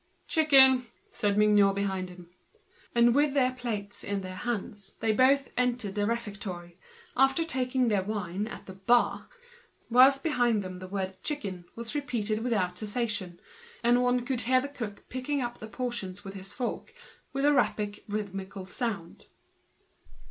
"Chicken," said Mignot behind him. And with their plates in their hands they both entered the refectory, after having taken their wine at the counter; whilst behind them the word "Chicken" was repeated without ceasing, regularly, and one could hear the cook picking up the pieces with his fork with a rapid and measured sound.